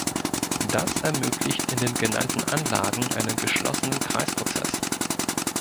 Das ermöglicht in den genannten Anlagen einen geschlossenen Kreisprozess.